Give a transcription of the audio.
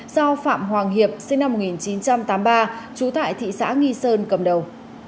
do phạm hoàng hiệp sinh năm một nghìn chín trăm tám mươi ba trú tại thị xã nghi sơn cầm đầu